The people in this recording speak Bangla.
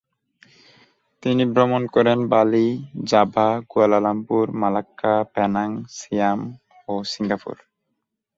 তিনি ভ্রমণ করেন Bali, Java, Kuala Lumpur, Malacca, Penang, Siam ও সিঙ্গাপুর।